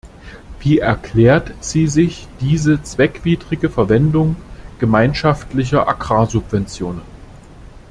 Wie erklärt sie sich diese zweckwidrige Verwendung gemeinschaftlicher Agrarsubventionen?